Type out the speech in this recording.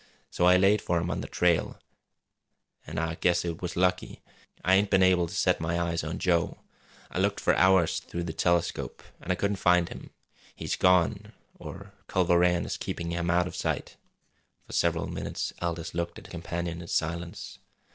So I laid for him on the trail an' I guess it was lucky. I ain't been able to set my eyes on Joe. I looked for hours through the telescope an' I couldn't find him. He's gone, or Culver Rann is keeping him out of sight." For several moments Aldous looked at his companion in silence.